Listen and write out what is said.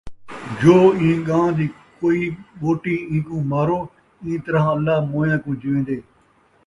جو اِیں ڳاں دِی کوئی ٻوٹی اِیکوں مارو اِیں طرح اللہ موئیاں کوں جیویندے،